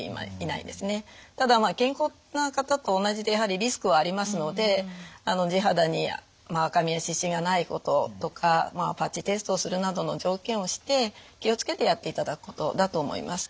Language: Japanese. ただ健康な方と同じでやはりリスクはありますので地肌に赤みや湿疹がないこととかパッチテストをするなどの条件をして気をつけてやっていただくことだと思います。